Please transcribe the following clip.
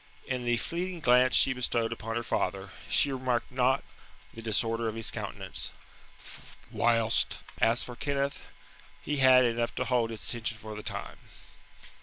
In the fleeting glance she bestowed upon her father, she remarked not the disorder of his countenance; whilst as for Kenneth, he had enough to hold his attention for the time.